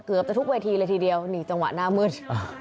เกือบจะทุกเวทีเลยทีเดียวนี่จังหวะหน้ามืด